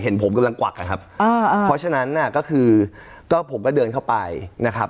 เห็นผมกำลังกวักนะครับเพราะฉะนั้นน่ะก็คือก็ผมก็เดินเข้าไปนะครับ